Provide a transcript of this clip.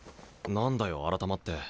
何だよ改まって。